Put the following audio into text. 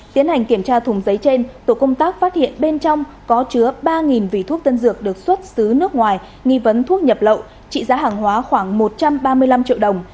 tiến hành kiểm tra thùng giấy trên tổ công tác phát hiện bên trong có chứa ba vỉ thuốc tân dược được xuất xứ nước ngoài nghi vấn thuốc nhập lậu trị giá hàng hóa khoảng một trăm ba mươi năm triệu đồng